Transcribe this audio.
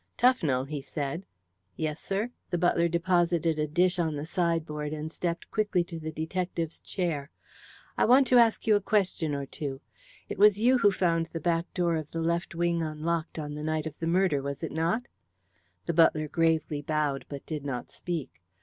"Tufnell!" he said. "Yes, sir?" The butler deposited a dish on the sideboard and stepped quickly to the detective's chair. "I want to ask you a question or two. It was you who found the back door of the left wing unlocked on the night of the murder, was it not?" The butler gravely bowed, but did not speak.